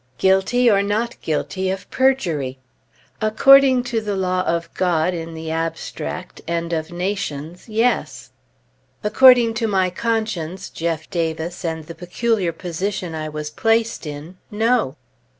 Guilty or not guilty of perjury? According to the law of God in the abstract, and of nations, Yes; according to my conscience, Jeff Davis, and the peculiar position I was placed in, No.